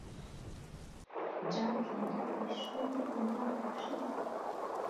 Jack yari ku ishuri umwaka ushize.